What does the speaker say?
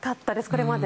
これまで。